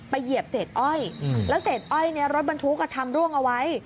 เหยียบเศษอ้อยแล้วเศษอ้อยเนี่ยรถบรรทุกทำร่วงเอาไว้